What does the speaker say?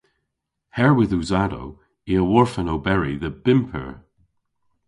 Herwydh usadow i a worfen oberi dhe bymp eur.